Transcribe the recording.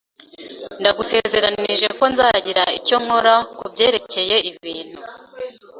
Ndagusezeranije ko nzagira icyo nkora kubyerekeye ibintu